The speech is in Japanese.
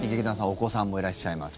お子さんもいらっしゃいます。